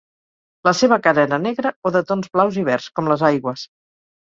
La seva cara era negra o de tons blaus i verds, com les aigües.